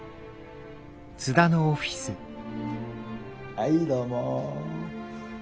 はいどうも。